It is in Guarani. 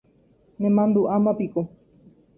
Nemandu'ámapiko